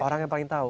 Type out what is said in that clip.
orang yang paling tau